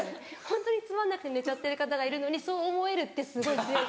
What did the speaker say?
ホントにつまんなくて寝ちゃってる方がいるのにそう思えるってすごい強い。